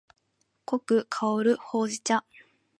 濃く香るほうじ茶